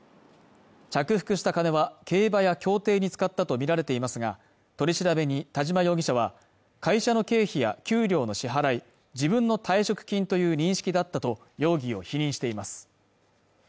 着服した金は競馬や競艇に使ったとみられていますが取り調べに田嶋容疑者は会社の経費や給料の支払い自分の退職金という認識だったと容疑を否認しています